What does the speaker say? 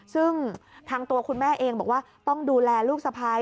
ซึ่งทางตัวคุณแม่เองบอกว่าต้องดูแลลูกสะพ้าย